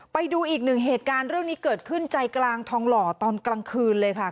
ไปดูอีกหนึ่งเหตุการณ์เรื่องนี้เกิดขึ้นใจกลางทองหล่อตอนกลางคืนเลยค่ะ